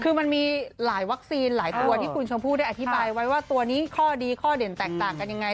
คือมันมีหลายวัคซีนหลายตัวที่คุณชมพู่ได้อธิบายไว้ว่าตัวนี้ข้อดีข้อเด่นแตกต่างกันยังไง